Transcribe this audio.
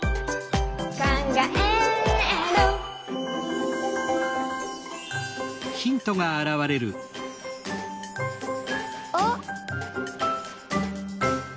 「かんがえる」あっ！